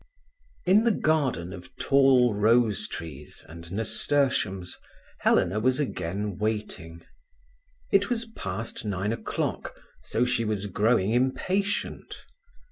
XIV In the garden of tall rose trees and nasturtiums Helena was again waiting. It was past nine o'clock, so she was growing impatient.